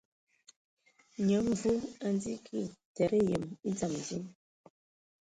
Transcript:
Nyia Mvu a ndzi kig tǝdǝ yǝm e dzam dí.